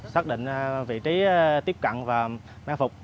xác định vị trí tiếp cận và mang phục